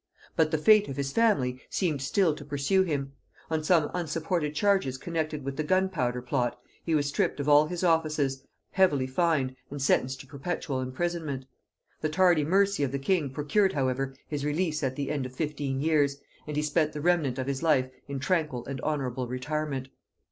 But the fate of his family seemed still to pursue him: on some unsupported charges connected with the gunpowder plot, he was stripped of all his offices, heavily fined, and sentenced to perpetual imprisonment: the tardy mercy of the king procured however his release at the end of fifteen years, and he spent the remnant of his life in tranquil and honorable retirement.